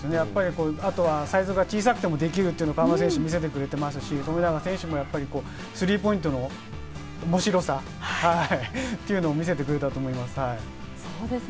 あとはサイズが小さくてもできるというのは河村選手見せてくれていますし、富永選手もスリーポイントの面白さというのを見せてくれたと思います。